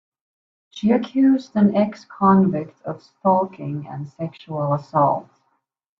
She accused an ex-convict of stalking and sexual assault.